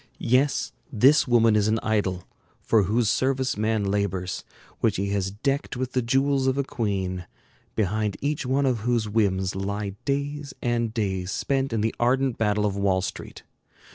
Yes, this woman is an idol, for whose service man labors, which he has decked with the jewels of a queen, behind each one of whose whims lie days and days spent in the ardent battle of Wall Street.